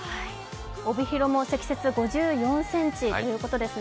帯広も積雪５４ｃｍということですね。